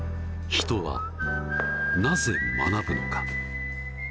人はなぜ学ぶのか。